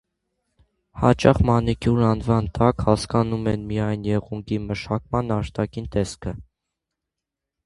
Հաճախ «մանիկյուր» անվան տակ հասկանում են միայն եղունգների մշակման արտաքին տեսքը։